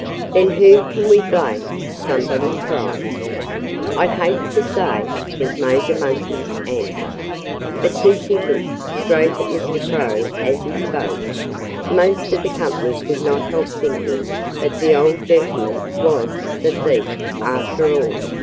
"Then whom can we blame?" somebody cried. "I'd hate to say," was Major Monkey's answer. But since he looked straight at Mr. Crow as he spoke, most of the company could not help thinking that the old gentleman was the thief, after all.